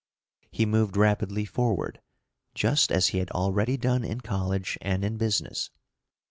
He moved rapidly forward, just as he had already done in college and in business.